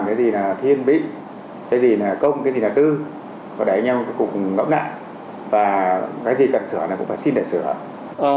cái gì là thiên vị cái gì là công cái gì là tư và để anh em cũng ngẫm lại và cái gì cần sửa thì cũng phải xin để sửa